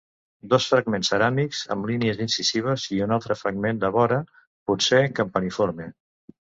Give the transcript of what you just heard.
Dos fragments ceràmics amb línies incisives i un altre fragment de vora, potser campaniforme.